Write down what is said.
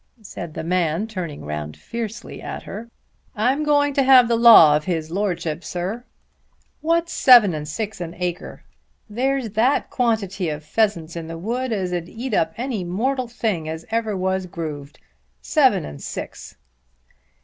said the man, turning round fiercely at her. "I'm going to have the law of his Lordship, sir. What's seven and six an acre? There's that quantity of pheasants in that wood as'd eat up any mortal thing as ever was growed. Seven and six!"